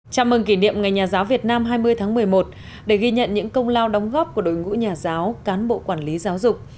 chào mừng kỷ niệm ngày nhà giáo việt nam hai mươi tháng một mươi một để ghi nhận những công lao đóng góp của đội ngũ nhà giáo cán bộ quản lý giáo dục